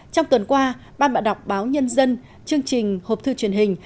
trong tuần qua ban bạn đọc báo nhân dân chương trình hộp thư truyền hình